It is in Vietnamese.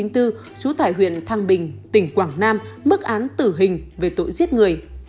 trú tại huyện thăng bình tỉnh quảng nam mức án tử hình về tội giết người